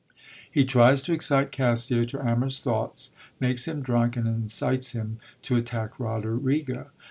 He tries to excite Cassio to amorous thoughts, makes liim drunk, and incites him to attack Roderigo.